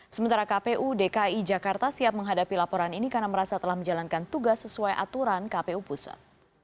sementara kpu dki jakarta siap menghadapi laporan ini karena merasa telah menjalankan tugas sesuai aturan kpu pusat